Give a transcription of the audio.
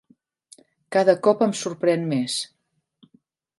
Cada cop em sorprèn més.